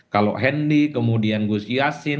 kalau hendi kemudian gus yassin